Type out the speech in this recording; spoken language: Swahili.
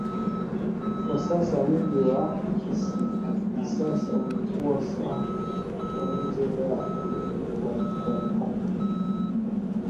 Kwa sasa mji wa kisasa umekuwa sana nje ya mji mkongwe